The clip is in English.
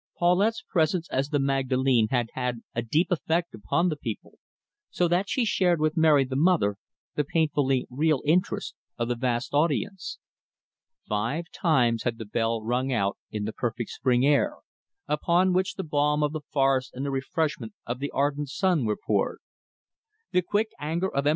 Paulette's presence as the Magdalene had had a deep effect upon the people, so that she shared with Mary the Mother the painfully real interest of the vast audience. Five times had the bell rung out in the perfect spring air, upon which the balm of the forest and the refreshment of the ardent sun were poured. The quick anger of M.